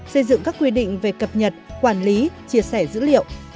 xây dựng các quy định về cập nhật quản lý chia sẻ dữ liệu